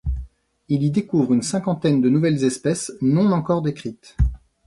Il y découvre une cinquantaine de nouvelles espèces non encore décrites.